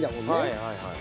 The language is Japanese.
はいはいはい。